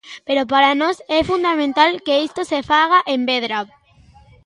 Pero para nós é fundamental que isto se faga en Vedra.